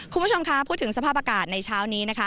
คุณผู้ชมคะพูดถึงสภาพอากาศในเช้านี้นะคะ